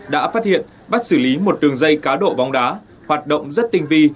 đã phát hiện bắt xử lý một đường dây cá độ bóng đá hoạt động rất tinh vi